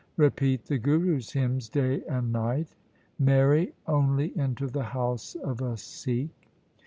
Repeat the Gurus' hymns day and night. Marry only into the house of a Sikh.